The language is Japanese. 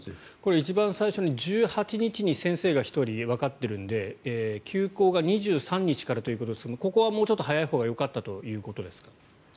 一番最初に１８日に先生が１人わかっているので休校が２３日からということですがここはもうちょっと早いほうがよかったということですか？